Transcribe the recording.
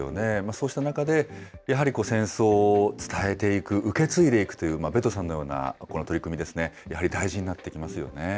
そうした中で、やはり戦争を伝えていく、受け継いでいくという、ベトさんのようなこの取り組みですね、やはり大事になってきますよね。